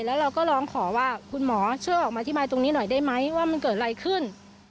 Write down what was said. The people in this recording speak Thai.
แล้วเราก็ร้องขอว่าคุณหมอช่วยออกมาอธิบายตรงนี้หน่อยได้ไหมว่ามันเกิดอะไรขึ้น